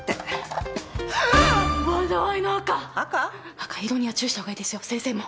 赤色には注意したほうがいいですよ先生も。